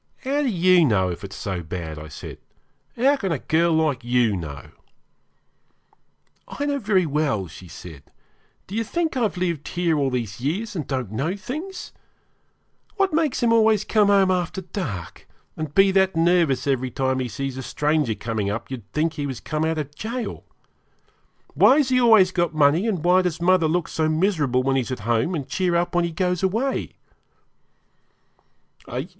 'How do you know it's so bad?' said I. 'How can a girl like you know?' 'I know very well,' she said. 'Do you think I've lived here all these years and don't know things? What makes him always come home after dark, and be that nervous every time he sees a stranger coming up you'd think he was come out of gaol? Why has he always got money, and why does mother look so miserable when he's at home, and cheer up when he goes away?'